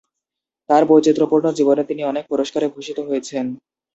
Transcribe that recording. তার বৈচিত্রপূর্ণ জীবনে তিনি অনেক পুরস্কারে ভূষিত হয়েছেন।